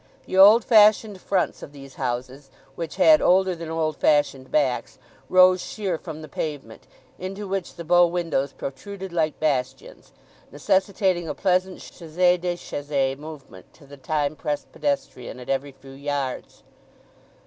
The old fashioned fronts of these houses, which had older than old fashioned backs, rose sheer from the pavement, into which the bow windows protruded like bastions, necessitating a pleasing chassez déchassez movement to the time pressed pedestrian at every few yards.